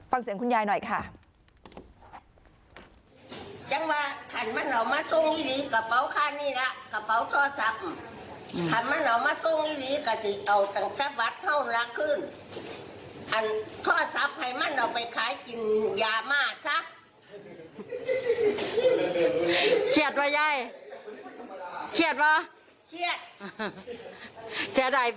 ฟังเสียงคุณยายหน่อยค่ะ